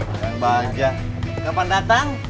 eh jangan bahagia kapan datang